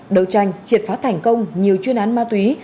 đấu tranh triệt phá thành công nhiều chuyên án ma túy